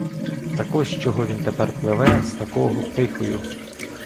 Так ось чого він тепер пливе з такого пихою.